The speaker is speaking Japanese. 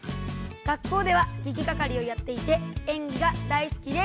学校ではげきがかりをやっていて演技が大好きです。